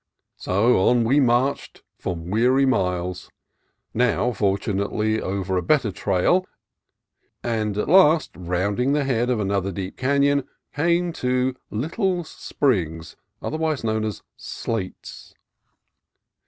So on we marched for weary miles, now, fortu nately, over a better trail, and at last, rounding the head of another deep canon, came to Little's Springs, otherwise known as Slate's.